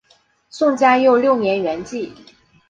宋嘉佑六年圆寂。